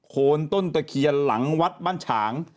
โคนต้นตะเคียนหลังวัดบ้านฉาง